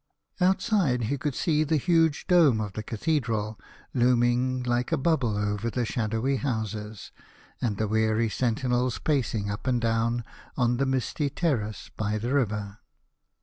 Outside he could see the huge dome of the cathedral, looming like a bubble over the 7 A House of Pomegranates. shadowy houses, and the weary sentinels pacing up and down on the misty terrace by the river.